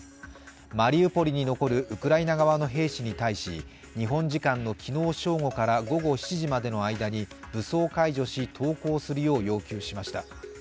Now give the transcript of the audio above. マリウポリに残るウクライナ側の兵士に対し、日本時間の昨日正午から午後７時までの間に武装解除し、投降するよう要求しました。